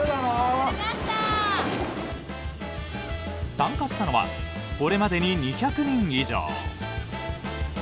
参加したのはこれまでに２００人以上。